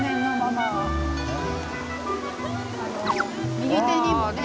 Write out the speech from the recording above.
右手にもね。